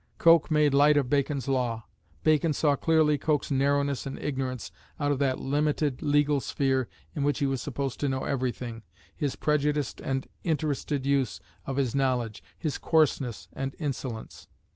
Coke made light of Bacon's law. Bacon saw clearly Coke's narrowness and ignorance out of that limited legal sphere in which he was supposed to know everything, his prejudiced and interested use of his knowledge, his coarseness and insolence.